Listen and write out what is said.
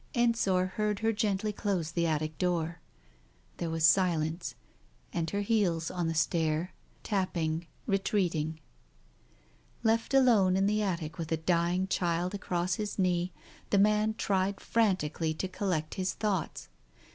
Ensor heard her gently close the attic door. There was silence, and her heels, on the stair, tapped ... retreating. Left alone in the attic with a dying child across his knee, the man tried frantically to collect his thoughts.